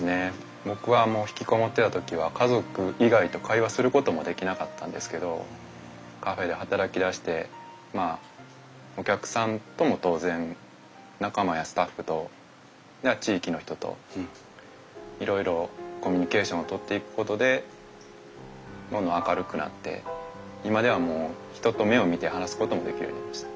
僕はもう引きこもってた時は家族以外と会話することもできなかったんですけどカフェで働き出してまあお客さんとも当然仲間やスタッフと地域の人といろいろコミュニケーションを取っていくことでどんどん明るくなって今ではもう人と目を見て話すこともできるようになりました。